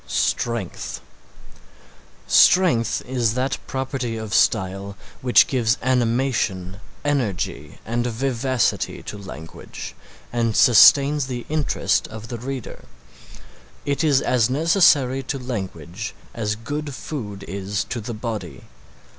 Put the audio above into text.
STRENGTH Strength is that property of style which gives animation, energy and vivacity to language and sustains the interest of the reader. It is as necessary to language as good food is to the body.